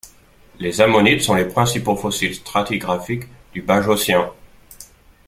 Les ammonites sont les principaux fossiles stratigraphiques du Bajocien.